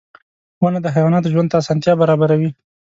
• ونه د حیواناتو ژوند ته اسانتیا برابروي.